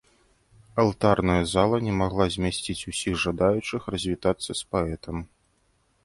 Алтарная зала на магла змясціць усіх жадаючых развітацца з паэтам.